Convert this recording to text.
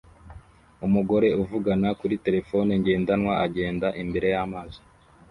Umugore uvugana kuri terefone ngendanwa agenda imbere y'amazi